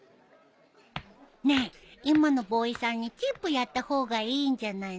ねえ今のボーイさんにチップやった方がいいんじゃないの？